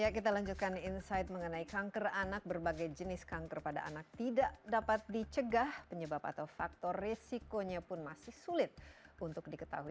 kita lanjutkan insight mengenai kanker anak berbagai jenis kanker pada anak tidak dapat dicegah penyebab atau faktor resikonya pun masih sulit untuk diketahui